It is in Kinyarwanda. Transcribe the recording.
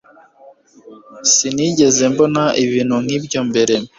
Sinigeze mbona ibintu nkibyo mbere.